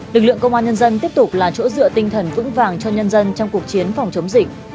lực lượng công an nhân dân tiếp tục là chỗ dựa tinh thần vững vàng cho nhân dân trong cuộc chiến phòng chống dịch